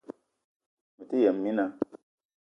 Mete yëm mina